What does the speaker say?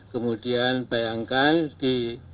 kemudian bayangkan di